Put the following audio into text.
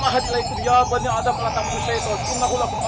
masih terdiam internet lu